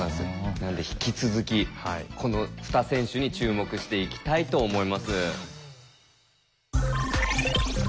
なので引き続きこの２選手に注目していきたいと思います。